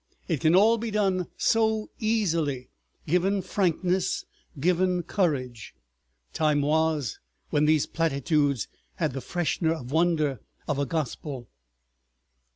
It can all be done so easily, given frankness, given courage. Time was when these platitudes had the freshness and wonder of a gospel.